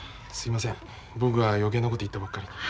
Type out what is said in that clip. すいません僕が余計なこと言ったばっかりに。